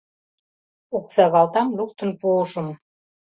Оксагалтам луктын пуышым.